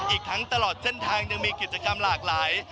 อีกทั้งตลอดเส้นทางยังมีกิจกรรมหลากหลาย